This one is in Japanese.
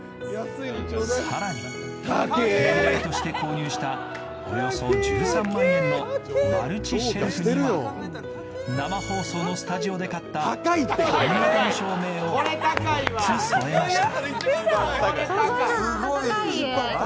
更に、テレビ台として購入したおよそ１３万円のマルチシェフには生放送のスタジオで買ったパン型の照明の４つを添えました。